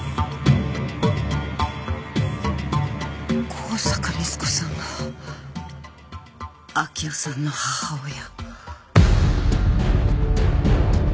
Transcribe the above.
香坂光子さんが明生さんの母親。